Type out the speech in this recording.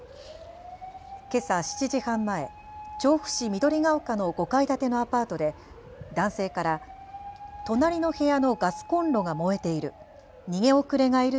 けさ７時半前、調布市緑ケ丘の５階建てのアパートで男性から隣の部屋のガスコンロが燃えている。